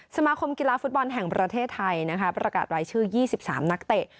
สมาคมกีฬาฟุตบอลแห่งประเทศไทยนะคะประกาศรายชื่อ๒๓นักเตะ